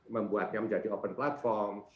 membuatnya menjadi open platform